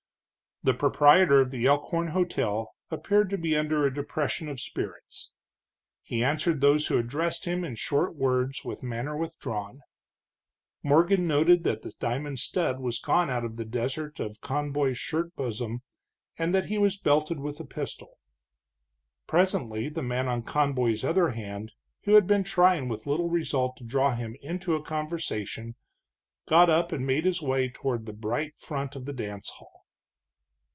The proprietor of the Elkhorn hotel appeared to be under a depression of spirits. He answered those who addressed him in short words, with manner withdrawn. Morgan noted that the diamond stud was gone out of the desert of Conboy's shirt bosom, and that he was belted with a pistol. Presently the man on Conboy's other hand, who had been trying with little result to draw him into a conversation, got up and made his way toward the bright front of the dance hall.